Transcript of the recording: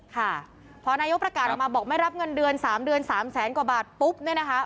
ค่ะพอนายกประกาศออกมาบอกไม่รับเงินเดือน๓เดือน๓แสนกว่าบาทปุ๊บเนี่ยนะคะ